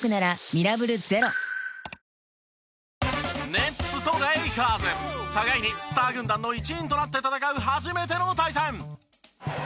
ネッツとレイカーズ互いにスター軍団の一員となって戦う初めての対戦。